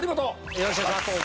よろしくお願いします。